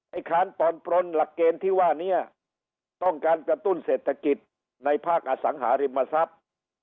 การผ่อนปลนหลักเกณฑ์ที่ว่านี้ต้องการกระตุ้นเศรษฐกิจในภาคอสังหาริมทรัพย์